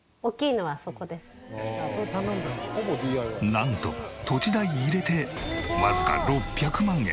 なんと土地代入れてわずか６００万円！